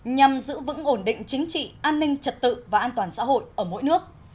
nhằm giữ vững ổn định chính trị an ninh trật tự và an toàn xã hội ở mỗi nước